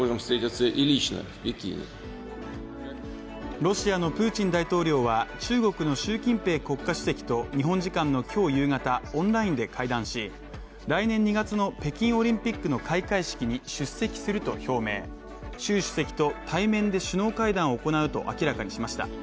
ロシアのプーチン大統領は、中国の習近平国家主席と日本時間の今日夕方オンラインで会談し、来年２月の北京オリンピックの開会式に出席すると表明、習主席と対面で首脳会談を行うと明らかにしました。